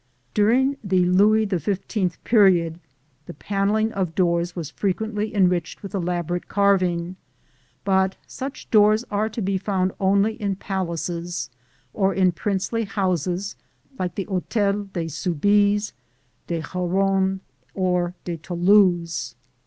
During the Louis XV period the panelling of doors was frequently enriched with elaborate carving; but such doors are to be found only in palaces, or in princely houses like the Hôtels de Soubise, de Rohan, or de Toulouse (see Plate XVIII).